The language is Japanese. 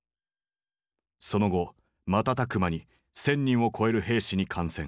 その後瞬く間に１，０００人を超える兵士に感染。